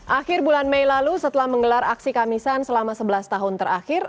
akhir bulan mei lalu setelah menggelar aksi kamisan selama sebelas tahun terakhir